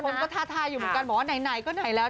คนก็ท้าทายอยู่เหมือนกันบอกว่าไหนก็ไหนแล้ว